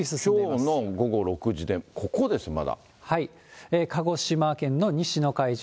きょうの午後６時でここです、鹿児島県の西の海上。